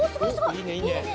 いいねいいね。